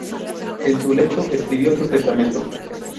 En su lecho escribió su Testamento.